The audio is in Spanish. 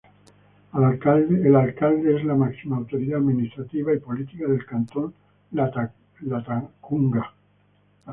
El Alcalde es la máxima autoridad administrativa y política del Cantón Latacunga.